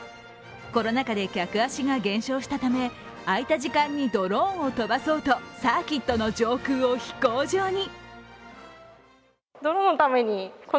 コロナ禍で客足が減少したため空いた時間にドローンを飛ばそうとサーキットの上空を飛行場に。